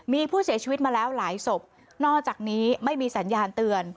มีผู้เสียชีวิตมาแล้วหลายศพนอกจากนี้ไม่มีสัญญาณเตือน